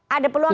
ada peluang ya